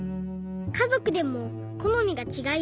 かぞくでもこのみがちがいます。